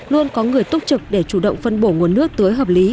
luôn có người túc trực để chủ động phân bổ nguồn nước tưới hợp lý